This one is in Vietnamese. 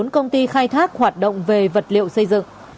một mươi bốn công ty khai thác hoạt động về vật liệu xây dựng